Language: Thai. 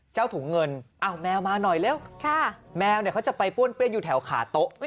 เจ้าถุงเงินอ้าวแมวมาหน่อยเร็วแมวเนี่ยเขาจะไปป้วนเปี้ยนอยู่แถวขาโต๊ะ